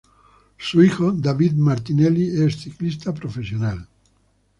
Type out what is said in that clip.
Su hijo, Davide Martinelli es ciclista profesional.